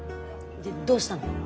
でどうしたの？